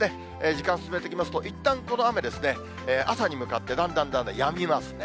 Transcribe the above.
時間進めてきますと、いったんこの雨、朝に向かってだんだんだんだんやみますね。